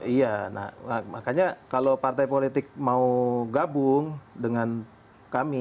iya nah makanya kalau partai politik mau gabung dengan kami